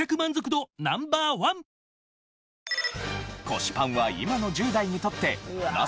腰パンは今の１０代にとってナシ？